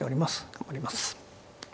頑張ります。